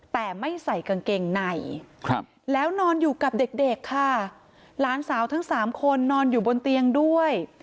แต่ไม่ใส่กางเกงในแล้วนอนอยู่กับเด็กเด็กค่ะหลานสาวทั้งสามคนนอนอยู่บนเตียงด้วย